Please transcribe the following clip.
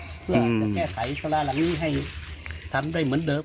เพื่อจะแก้ไขชะล่าหลังนี้ให้ทำได้เหมือนเดิม